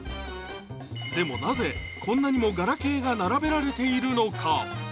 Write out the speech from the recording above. でもなぜこんなにもガラケーが並べられているのか？